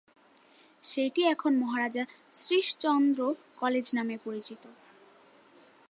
সেটি এখন মহারাজা শ্রীশচন্দ্র কলেজ নামে পরিচিত।